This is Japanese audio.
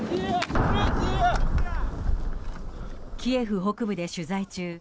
キエフ北部で取材中